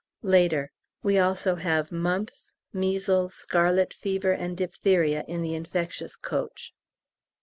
Later. We also have mumps, measles, scarlet fever, and diphtheria in the infectious coach.